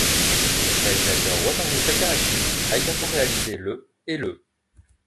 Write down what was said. Le réalisateur Wataru Takahashi a également réalisé le ' et le '.